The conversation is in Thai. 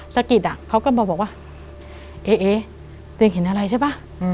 สะกิดเขาก็มาบอกว่าเอ๊ตัวเองเห็นอะไรใช่ป่ะ